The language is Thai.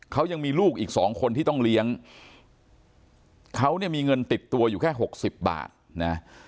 เขายังมีลูกอีกสองคนที่ต้องเลี้ยงเขาเนี่ยมีเงินติดตัวอยู่แค่หกสิบบาทนะ